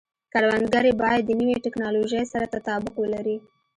کروندګري باید د نوې ټکنالوژۍ سره تطابق ولري.